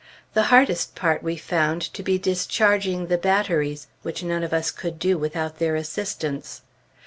The hardest part we found to be discharging the batteries, which none of us could do without their assistance.